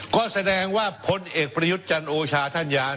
ก็แสดงว่าพลเอกประยุทธ์จันโอชาท่านยาน